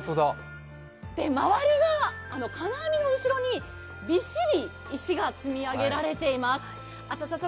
周りが金網の後ろにびっしり石が積み上げられています、あつつ。